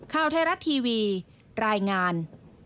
ข่าวไทยรัฐทีวีรายงาน